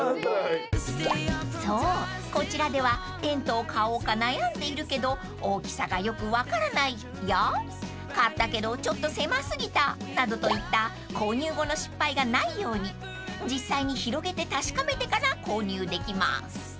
［そうこちらではテントを買おうか悩んでいるけど「大きさがよく分からない」や「買ったけどちょっと狭過ぎた」などといった購入後の失敗がないように実際に広げて確かめてから購入できます］